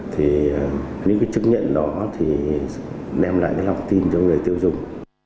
thì những chứng nhận đó thì đem lại lòng tin cho người tiêu dùng